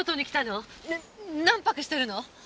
何泊してるの？